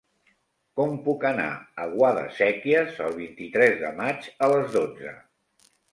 Com puc anar a Guadasséquies el vint-i-tres de maig a les dotze?